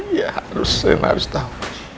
iya harus rena harus tahu